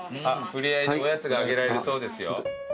触れ合いおやつがあげられるそうですよ。